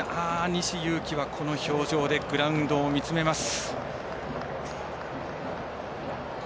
西勇輝は、この表情でグラウンドを見つめます。